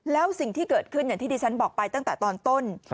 แล้วสิ่งที่เกิดขึ้นอย่างที่ดิฉันบอกไปตั้งแต่ตอนต้น